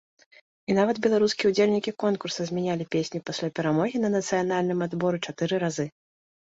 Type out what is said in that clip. І нават беларускія ўдзельнікі конкурса змянялі песню пасля перамогі на нацыянальным адборы чатыры разы.